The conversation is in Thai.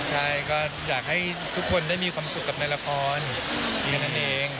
ใช่ก็อยากให้ทุกคนได้มีความสุขกับในละครแค่นั้นเอง